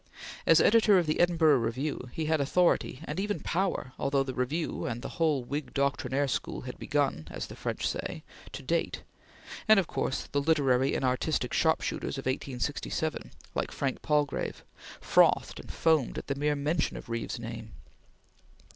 As editor of the Edinburgh Review he had authority and even power, although the Review and the whole Whig doctrinaire school had begun as the French say to date; and of course the literary and artistic sharpshooters of 1867 like Frank Palgrave frothed and foamed at the mere mention of Reeve's name.